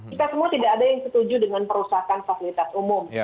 kita semua tidak ada yang setuju dengan perusahaan fasilitas umum